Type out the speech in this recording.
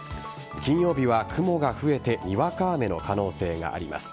金曜日は雲が増えてにわか雨の可能性があります。